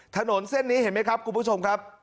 ถนนเส้นนี้เห็นไหมครับคุณผู้ชมครับ